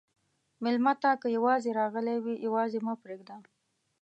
مېلمه ته که یواځې راغلی وي، یواځې مه پرېږده.